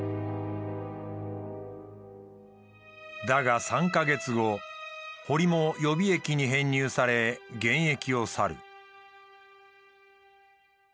だが３か月後堀も予備役に編入され現役を去る。